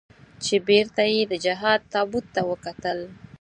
چې بېرته یې د جهاد تابوت ته وکتل.